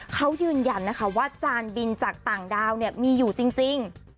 เขายืนยันนะคะว่าจานบินจากต่างดาวเนี่ยมีอยู่จริง